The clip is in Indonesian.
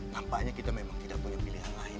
nampaknya kita memang tidak punya pilihan lain